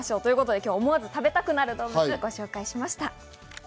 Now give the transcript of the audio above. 今日は思わず食べたくなる動物をご紹介しました。